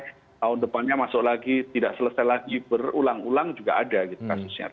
tahun depannya masuk lagi tidak selesai lagi berulang ulang juga ada gitu kasusnya